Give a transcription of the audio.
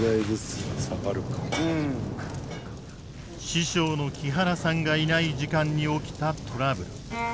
師匠の木原さんがいない時間に起きたトラブル。